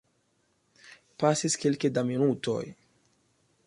Pasis kelke da minutoj.